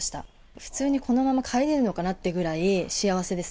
普通にこのまま帰れるのかなってくらい、幸せです。